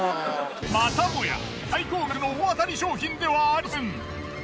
またもや最高額の大当たり商品ではありません。